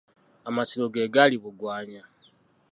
Amasiro ge gali Bugwanya.